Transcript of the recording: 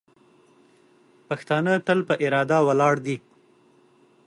پښتانه تل په اراده ولاړ دي.